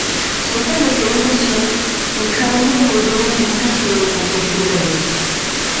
Son père était négociant, il travaillait dans le domaine du pétrole en Pennsylvanie.